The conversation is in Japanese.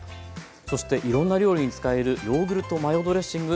そしていろんな料理に使えるヨーグルトマヨドレッシング。